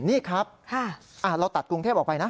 นี่ครับเราตัดกรุงเทพออกไปนะ